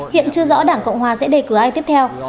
hiện chưa rõ đảng cộng hòa sẽ đề cử ai tiếp theo